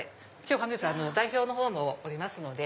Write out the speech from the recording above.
本日代表のほうもおりますので。